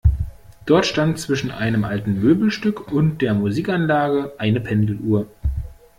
Dort stand zwischen einem alten Möbelstück und der Musikanlage eine Pendeluhr.